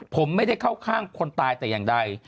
ผมไม่ได้เข้าข้างคนตายแต่อย่างใด